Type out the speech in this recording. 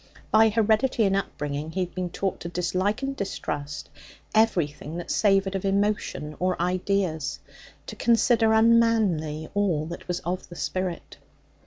By heredity and upbringing he had been taught to dislike and mistrust everything that savoured of emotion or ideas, to consider unmanly all that was of the spirit.